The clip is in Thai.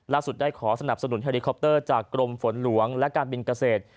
ได้ขอสนับสนุนเฮลิคอปเตอร์จากกรมฝนหลวงและการบินเกษตร